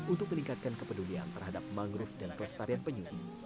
untuk meningkatkan kepedulian terhadap mangrove dan kelestarian penyumbi